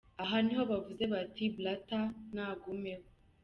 Aha niho bavuze bati “Blatter, nagumeho.